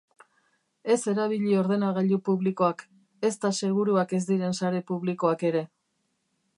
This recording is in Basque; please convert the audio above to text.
Ez erabili ordenagailu publikoak, ezta seguruak ez diren sare publikoak ere.